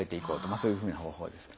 そういうふうな方法ですね。